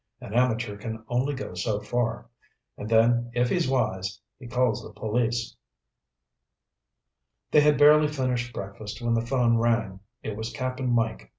An amateur can go only so far, and then if he's wise, he calls the police." They had barely finished breakfast when the phone rang. It was Cap'n Mike.